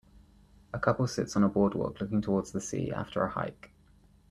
A couple sits on a boardwalk looking towards the sea after a hike.